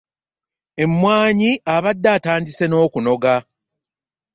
Emmwaanyi abadde atandise n'okunoga.